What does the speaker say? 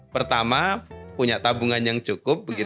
pertama punya tabungan yang cukup